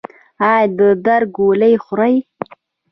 ایا د درد ګولۍ خورئ؟